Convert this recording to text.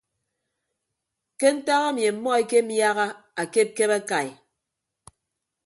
Ke ntak ami ammọ ekemiaha akepkep akai.